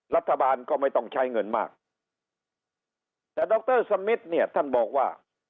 รัฐบาลก็ไม่ต้องใช้เงินมากแต่ดรสมิทเนี่ยท่านบอกว่า